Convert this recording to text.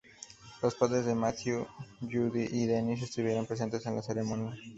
Los padres de Matthew, Judy y Dennis, estuvieron presentes en la ceremonia.